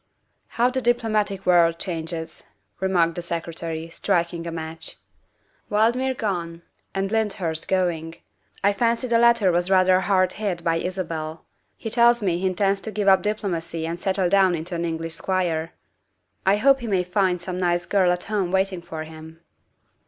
" How the diplomatic world changes," remarked the Secretary, striking a match. '' Valdmir gone, and Lynd hurst going. I fancy the latter was rather hard hit by Isabel ; he tells me he intends to give up diplomacy and settle down into an English squire. I hope he may find some nice girl at home waiting for him."